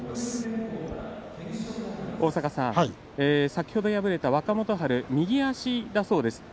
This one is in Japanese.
先ほど敗れた若元春右足だそうです。